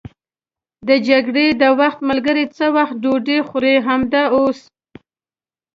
د جګړې د وخت ملګري څه وخت ډوډۍ خوري؟ همدا اوس.